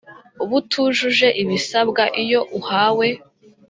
b utujuje ibisabwa iyo uwahawe